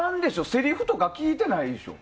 せりふとか聞いてないでしょ。